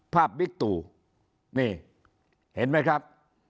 ภาพวิกตูนี่เห็นไหมครับ